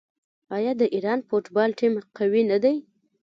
آیا د ایران فوټبال ټیم قوي نه دی؟